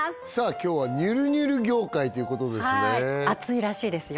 今日はにゅるにゅる業界ということですね熱いらしいですよ